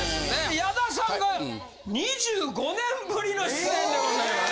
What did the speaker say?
矢田さんが２５年ぶりの出演でございます。